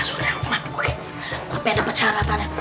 sekarang kamu cuti apa suara oke